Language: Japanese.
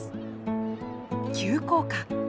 急降下！